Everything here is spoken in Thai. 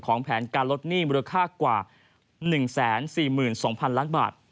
แผนการลดหนี้มูลค่ากว่า๑๔๒๐๐๐ล้านบาท